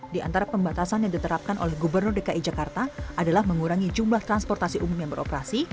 di antara pembatasan yang diterapkan oleh gubernur dki jakarta adalah mengurangi jumlah transportasi umum yang beroperasi